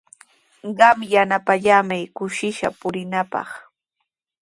Qam yanapaykallamay kushishqa purinaapaq.